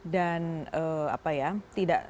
dan apa ya